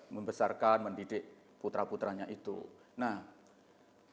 membesarkan mendidik putra putranya itu nah ini adalah hal yang sangat penting